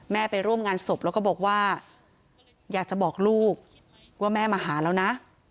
ไปร่วมงานศพแล้วก็บอกว่าอยากจะบอกลูกว่าแม่มาหาแล้วนะ